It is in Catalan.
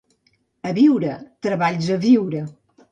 A Biure, treballs a viure.